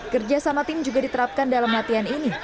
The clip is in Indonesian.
kerja sama tim juga diterapkan dalam latihan ini